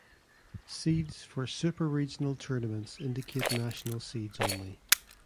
Seeds for super regional tournaments indicate national seeds only.